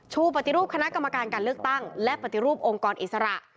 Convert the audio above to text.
ปฏิรูปคณะกรรมการการเลือกตั้งและปฏิรูปองค์กรอิสระ